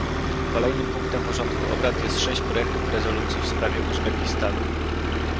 Kolejnym punktem porządku obrad jest sześć projektów rezolucji w sprawie Uzbekistanu